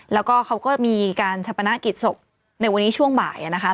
แล้วก็เขาก็มีการชะปนักกิจศพในวันนี้ช่วงบ่ายนะคะ